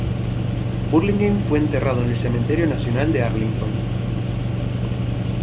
Burlingame fue enterrado en el Cementerio Nacional de Arlington.